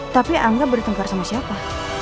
tapi angga bertempur sama siapa